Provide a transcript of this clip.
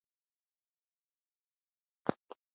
بدي په نېکۍ بدله کړئ.